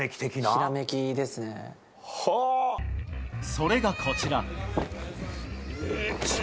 それが、こちら。